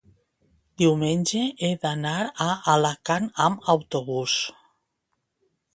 Diumenge he d'anar a Alacant amb autobús.